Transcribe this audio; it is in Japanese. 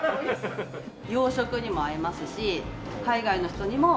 洋食にも合いますし海外の人にも好まれてます。